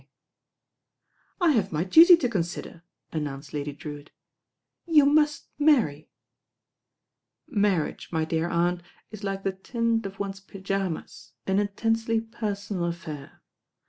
186 THE RAIN OIRL !! "I have my duty to consider/* announced Lady Drewitt. "You must marry." "Marriage, my dear aunt, it like the tint of one't pyjamas, an intensely personal affair.